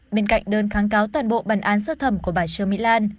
bên cạnh đơn kháng cáo toàn bộ bản án sơ thẩm của bãi trường mỹ lan